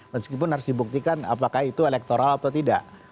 meskipun harus dibuktikan apakah itu elektoral atau tidak